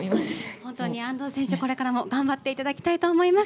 本当に安藤選手、これからも頑張っていただきたいと思います。